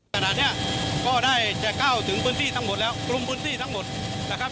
ขณะนี้ก็ได้จะก้าวถึงพื้นที่ทั้งหมดแล้วกลุ่มพื้นที่ทั้งหมดนะครับ